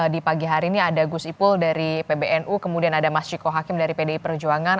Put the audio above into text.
di pagi hari ini ada gus ipul dari pbnu kemudian ada mas ciko hakim dari pdi perjuangan